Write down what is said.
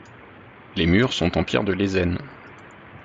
Les murs sont en pierre de Lezennes.